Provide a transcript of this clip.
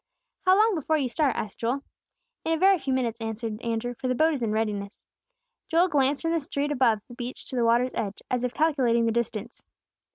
"How long before you start?" asked Joel. "In a very few minutes," answered Andrew; "for the boat is in readiness." Joel glanced from the street above the beach to the water's edge, as if calculating the distance.